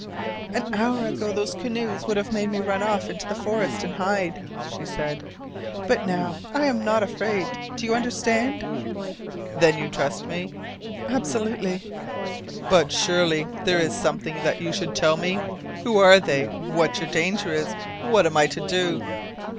"An hour ago those canoes would have made me run off into the forest and hide," she said. "But now I am not afraid! Do you understand?" "Then you trust me?" "Absolutely." "But surely there is something that you should tell me: Who they are, what your danger is, what I am to do."